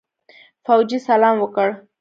فوجي سلام وکړ.